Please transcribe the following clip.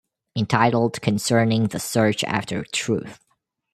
Entitled Concerning the Search after Truth.